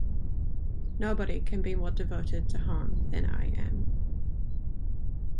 Nobody can be more devoted to home than I am.